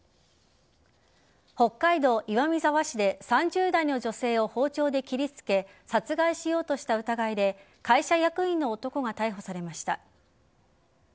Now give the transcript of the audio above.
北海道岩見沢市で３０代の女性を包丁で切りつけ殺害しようとした疑いで会社役員の男が逮捕されました。